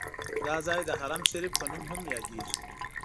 دا ځای د حرم شریف په نوم هم یادیږي.